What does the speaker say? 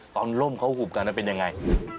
ตอนร่มเข้าหุ่มกันจะเป็นอย่างไร